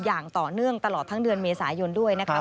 อย่างต่อเนื่องตลอดทั้งเดือนเมษายนด้วยนะครับ